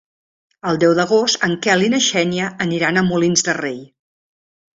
El deu d'agost en Quel i na Xènia aniran a Molins de Rei.